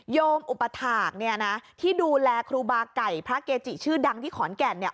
โยมอุปถาคเนี่ยนะที่ดูแลครูบาไก่พระเกจิชื่อดังที่ขอนแก่นเนี่ย